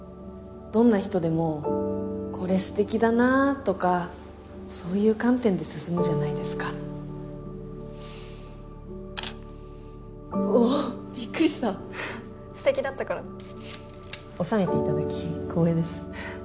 どんな人でもこれステキだなとかそういう観点で進むじゃないですかおおっびっくりしたステキだったから収めていただき光栄です